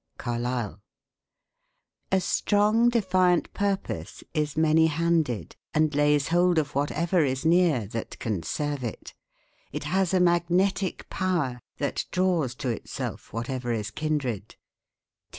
Carlyle. A strong, defiant purpose is many handed, and lays hold of whatever is near that can serve it; it has a magnetic power that draws to itself whatever is kindred.